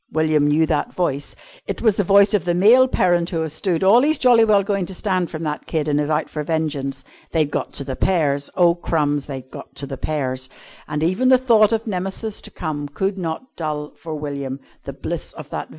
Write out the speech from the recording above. William knew that voice. It was the voice of the male parent who has stood all he's jolly well going to stand from that kid, and is out for vengeance. They'd got to the pears! Oh, crumbs! They'd got to the pears! And even the thought of Nemesis to come could not dull for William the bliss of that vision.